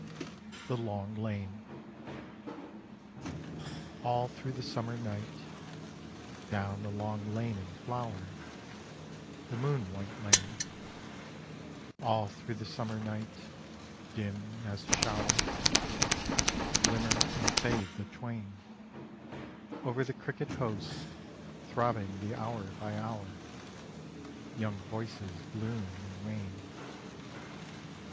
THE LONG LANE All through the summer night, down the long lane in flower, The moon white lane, All through the summer night, dim as a shower, Glimmer and fade the Twain: Over the cricket hosts, throbbing the hour by hour, Young voices bloom and wane.